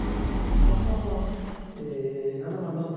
羽生さんは七冠になった